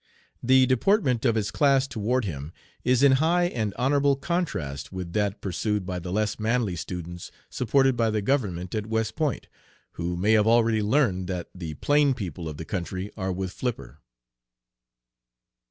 The deportment of his class toward him is in high and honorable contrast with that pursued by the less manly students supported by the government at West Point, who may have already learned that the 'plain people' of the country are with Flipper."